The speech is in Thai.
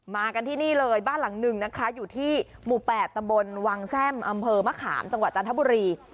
มากันที่นี่เลยบ้านหลังหนึ่งนะคะอยู่ที่หมู่๘ตำบลวังแซ่มอำเภอมะขามจังหวัดจันทบุรี